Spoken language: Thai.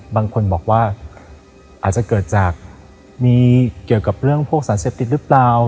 บางคนบอกว่าอาจจะเกิดจากมีเกี่ยวกับเรื่องพวกสารเสพติดหรือเปล่า